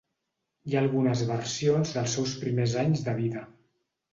Hi ha algunes versions dels seus primers anys de vida.